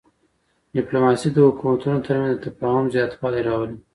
ډیپلوماسي د حکومتونو ترمنځ د تفاهم زیاتوالی راولي.